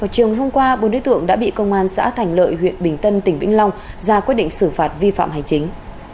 chiều ngày hôm qua bốn đối tượng đã bị công an xã thành lợi huyện bình tân tỉnh vĩnh long ra quyết định xử phạt vi phạm hành chính